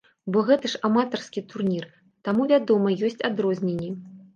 Бо гэта ж аматарскі турнір, таму вядома ёсць адрозненні.